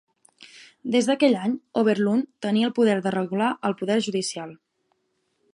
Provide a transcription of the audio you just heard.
Des d'aquell any, Overloon tenia el poder de regular el poder judicial.